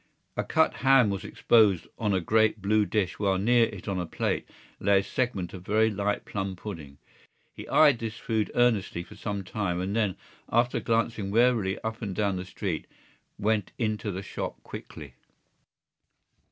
A cut ham was exposed on a great blue dish while near it on a plate lay a segment of very light plum pudding. He eyed this food earnestly for some time and then, after glancing warily up and down the street, went into the shop quickly.